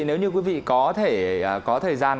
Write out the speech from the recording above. nếu như quý vị có thời gian